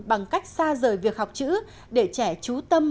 bằng cách xa rời việc học chữ để trẻ trú tâm